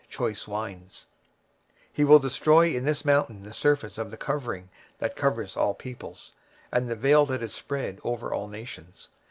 23:025:007 And he will destroy in this mountain the face of the covering cast over all people, and the vail that is spread over all nations.